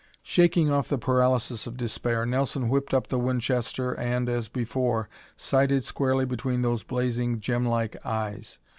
Shaking off the paralysis of despair, Nelson whipped up the Winchester and, as before, sighted squarely between those blazing, gemlike eyes.